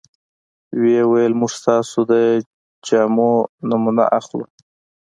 وبه یې ویل موږ ستاسو د جامو نمونه اخلو.